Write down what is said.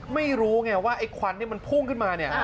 ไม่รู้ไงว่าไอ้ควันที่มันพุ่งขึ้นมาเนี่ย